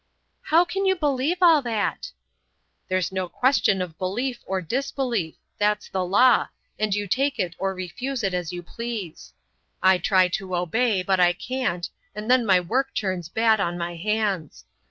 "How can you believe all that?" "There's no question of belief or disbelief. That's the law, and you take it or refuse it as you please. I try to obey, but I can't, and then my work turns bad on my hands.